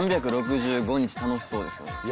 ３６５日楽しそうですよね。